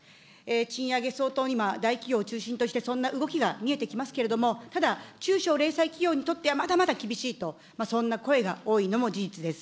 賃上げ、相当、大企業を中心として、そんな動きが見えてきますけれども、ただ中小零細企業にとっては、まだまだ厳しいと、そんな声が多いのも事実です。